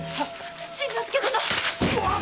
新之助殿！